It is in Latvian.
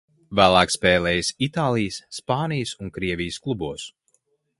Vēlāk spēlējis Itālijas, Spānijas un Krievijas klubos.